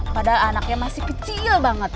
padahal anaknya masih kecil banget